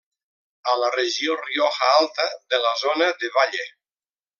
A la regió Rioja Alta, de la zona de Valle.